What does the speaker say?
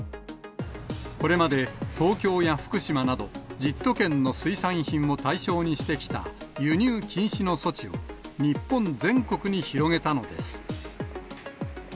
これまで東京や福島など、１０都県の水産品を対象にしてきた輸入禁止の措置を日本全国に広げたのです。